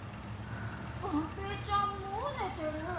がんぺーちゃんもうねてる。